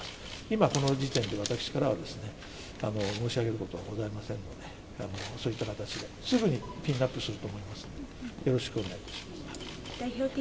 今、この時点では私からは申し上げることはございませんので、そういった形で、すぐにピンナップすると思います。